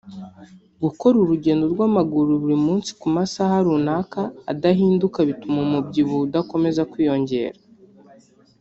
gukora urugendo rw’amaguru buri munsi ku masaha runaka adahinduka bituma umubyibuho udakomeza kwiyongera